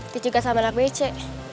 dijuga sama anak bece